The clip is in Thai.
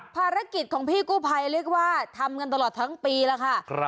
ภารกิจของพี่กู้ภัยเรียกว่าทำกันตลอดทั้งปีแล้วค่ะ